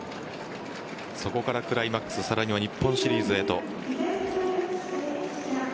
そこからクライマックスさらには日本シリーズへと。